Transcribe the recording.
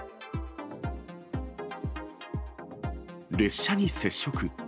列車に接触。